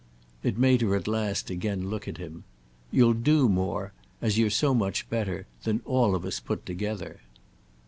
It made her at last again look at him. "You'll do more—as you're so much better—than all of us put together."